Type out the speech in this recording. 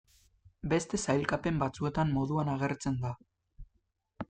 Beste sailkapen batzuetan moduan agertzen da.